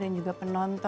dan juga penonton